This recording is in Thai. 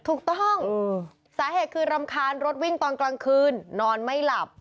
ถูกต้องสาเหตุคือรำคาญรถวิ่งตอนกลางคืนนอนไม่หลับ